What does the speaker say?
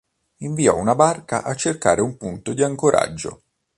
Inviò una barca a cercare un punto di ancoraggio.